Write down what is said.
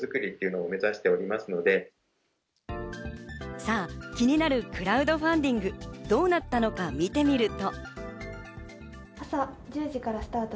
さぁ、気になるクラウドファンディング、どうなったのか見てみると。